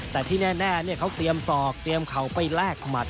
แต่ที่แน่เขาเตรียมศอกเตรียมเข่าไปแลกหมัด